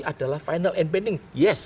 adalah final and pending